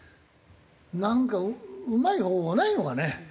なんかうまい方法はないのかね？